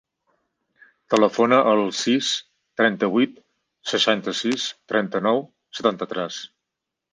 Telefona al sis, trenta-vuit, seixanta-sis, trenta-nou, setanta-tres.